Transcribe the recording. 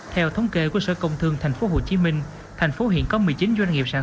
theo thống kê của sở công thương thành phố hồ chí minh thành phố hiện có một mươi chín doanh nghiệp sản